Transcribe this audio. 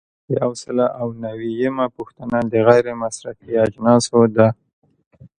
یو سل او نوي یمه پوښتنه د غیر مصرفي اجناسو ده.